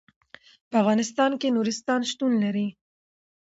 په افغانستان کې نورستان شتون لري.